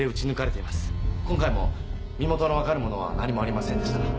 今回も身元の分かるものは何もありませんでした。